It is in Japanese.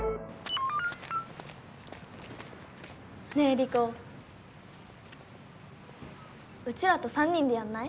リコうちらと３人でやんない？